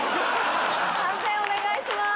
判定お願いします。